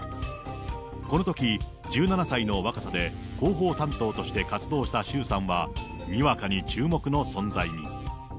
このとき１７歳の若さで広報担当として活動した周さんは、にわかに注目の存在に。